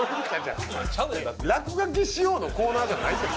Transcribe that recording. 落書きしようのコーナーじゃないです。